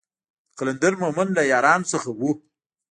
د قلندر مومند له يارانو څخه و.